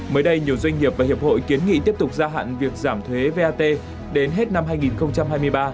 mới đây nhiều doanh nghiệp và hiệp hội kiến nghị tiếp tục gia hạn việc giảm thuế vat đến hết năm hai nghìn hai mươi ba